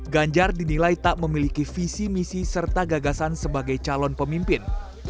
ganjar dinilai tak memiliki visi misi serta gagasan sebagai calon pemimpin